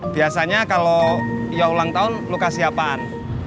biasanya kalau ya ulang tahun lu kasih apaan